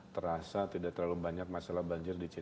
saat ini bergabung dalam hal ini